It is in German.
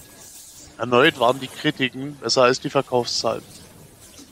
Erneut waren die Kritiken besser als die Verkaufszahlen.